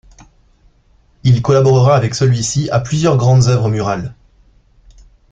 Il collaborera avec celui-ci à plusieurs grandes œuvres murales.